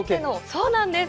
そうなんです。